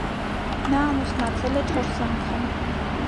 Նա ամուսնացել է չորս անգամ։